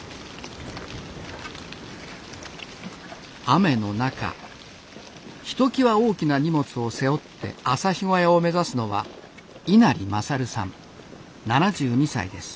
雨の中ひときわ大きな荷物を背負って朝日小屋を目指すのは稲荷優さん７２歳です。